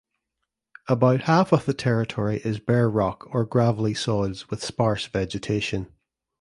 About half of the territory is bare rock or gravely soils with sparse vegetation.